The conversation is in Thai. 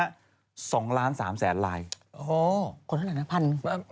โอ้โฮคนขนาดไหนนะพัน